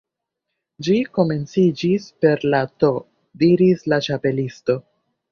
"Ĝi komenciĝis per la T " diris la Ĉapelisto.